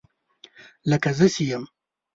لکه زه چې یم